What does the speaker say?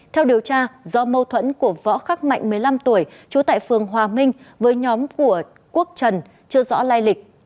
theo điều tra do mâu thuẫn của võ khắc mạnh một mươi năm tuổi trú tại phường hòa minh với nhóm của quốc trần chưa rõ lai lịch